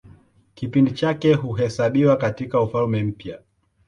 Kipindi chake huhesabiwa katIka Ufalme Mpya.